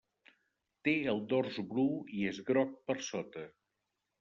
Té el dors bru i és groc per sota.